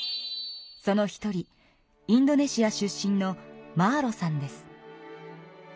その一人インドネシア出身のマーロさんです。